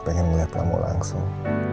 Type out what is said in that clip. pengen ngeliat kamu langsung